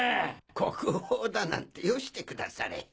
国宝だなんてよしてくだされ。